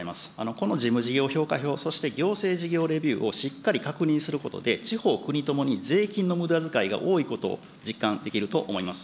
この事務事業評価票、そして行政事業レビューをしっかり確認することで、地方、国ともに税金のむだづかいが多いことを実感できると思います。